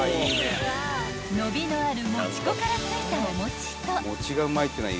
［伸びのあるもち粉からついたお餅と］